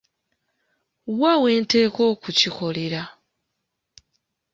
Wa wenteekwa okukikolera ?